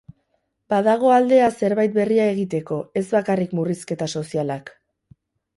Badago aldea zerbait berria egiteko, ez bakarrik murrizketa sozialak.